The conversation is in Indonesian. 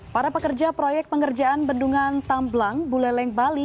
para pekerja proyek pengerjaan bendungan tamblang buleleng bali